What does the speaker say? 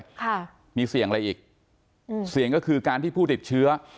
ค่ะมีเสี่ยงอะไรอีกอืมเสี่ยงก็คือการที่ผู้ติดเชื้อ